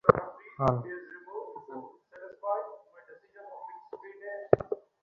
লাজুক কুমু সহজে বাজাতে চায় না।